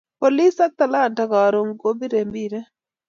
Police ak talanta karun ko bire mbiret